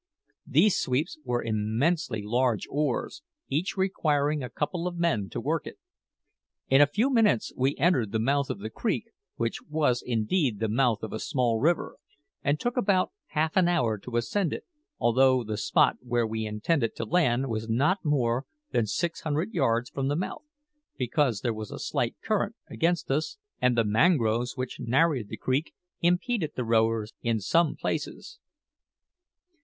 These sweeps were immensely large oars, each requiring a couple of men to work it. In a few minutes we entered the mouth of the creek, which was indeed the mouth of a small river, and took about half an hour to ascend it, although the spot where we intended to land was not more than six hundred yards from the mouth, because there was a slight current against us, and the mangroves which narrowed the creek impeded the rowers in some places.